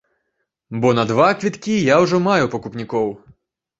Бо на два квіткі я ўжо маю пакупнікоў.